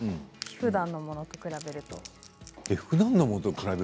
ふだんのものと比べると？